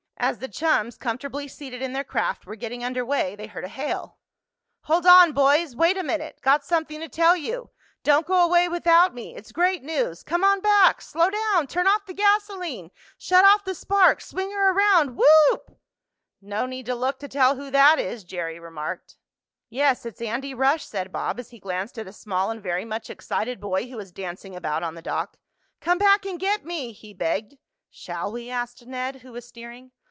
As the chums, comfortably seated in their craft, were getting under way, they heard a hail. "Hold on, boys wait a minute got something to tell you don't go away without me it's great news come on back slow down turn off the gasoline shut off the spark swing her around whoop!" "No need to look to tell who that is," Jerry remarked. "Yes, it's Andy Rush," said Bob, as he glanced at a small and very much excited boy who was dancing about on the dock. "Come back and get me!" he begged. "Shall we?" asked Ned, who was steering.